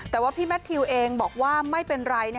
แต่ว่าพี่แมททิวเองบอกว่าไม่เป็นไร